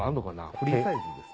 フリーサイズですか？